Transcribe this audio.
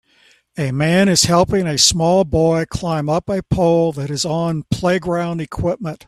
A man is helping a small boy climb up a pole that is on playground equipment